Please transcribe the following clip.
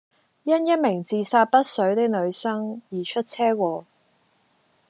因一名自殺不遂的女生而出車禍